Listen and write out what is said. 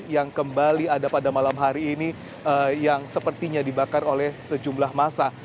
yang kembali ada pada malam hari ini yang sepertinya dibakar oleh sejumlah masa